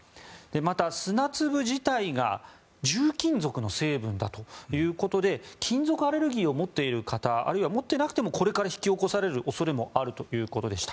また、砂粒自体が重金属の成分だということで金属アレルギーを持っている方あるいは持ってなくてもこれから引き起こされる恐れもあるということでした。